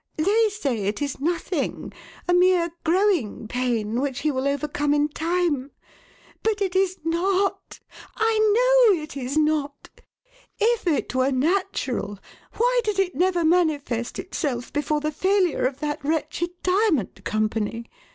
They say it is nothing a mere 'growing pain' which he will overcome in time. But it is not I know it is not! If it were natural, why did it never manifest itself before the failure of that wretched diamond company?